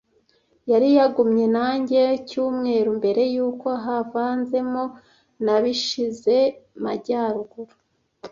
Yari yagumye nanjye cyumweru mbere y'uko havanzemo na bishize majyaruguru,